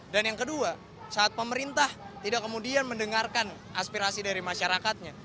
dan yang kedua saat pemerintah tidak kemudian mendengarkan aspirasi dari masyarakatnya